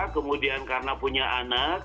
kemudian karena punya anak